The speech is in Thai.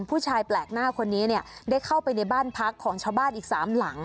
ผู้ชายแปลกหน้าคนนี้เนี่ยได้เข้าไปในบ้านพักของชาวบ้านอีก๓หลัง